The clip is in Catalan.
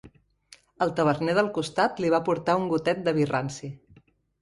El taverner del costat li va portar un gotet de vi ranci